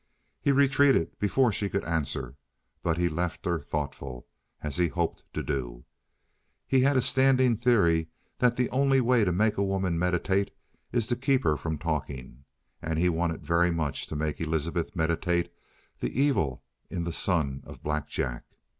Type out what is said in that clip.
He retreated before she could answer, but he left her thoughtful, as he hoped to do. He had a standing theory that the only way to make a woman meditate is to keep her from talking. And he wanted very much to make Elizabeth meditate the evil in the son of Black Jack.